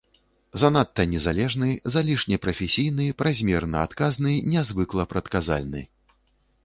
Занадта незалежны, залішне прафесійны, празмерна адказны, нязвыкла прадказальны.